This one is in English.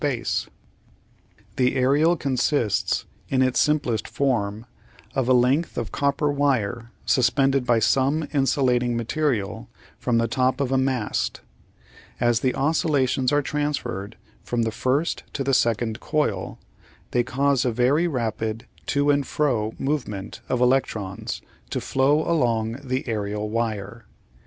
II AND SELF SUPPORTIN(i; THEY CARRY THE MAIN AERIAL SYSTEM Applied Science 833 The aerial consists, in its simplest form, of a length of copper wire suspended by some insulating material from the top of a mast. As the oscillations are transferred from the first to the second coil, they cause a very rapid to and fro movement of electrons to flow along the aerial wire.